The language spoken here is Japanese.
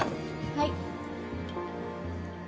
はい。